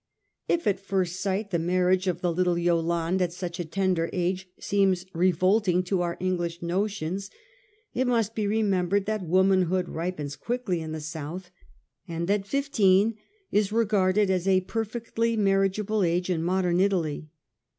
If at first sight the marriage of the little Yolande at such a tender age seems revolting to our English notions, it must be re membered that womanhood ripens quickly in the South, and that fifteen is regarded as a perfectly marriageable age in modern Italy.